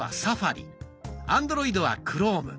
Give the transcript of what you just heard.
アンドロイドは「クローム」。